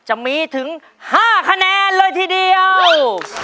จะมีถึง๕คะแนนเลยทีเดียว